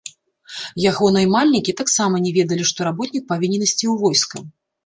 Яго наймальнікі таксама не ведалі, што работнік павінен ісці ў войска.